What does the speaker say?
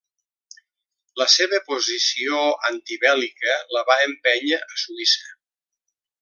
La seva posició antibèl·lica la va empènyer a Suïssa.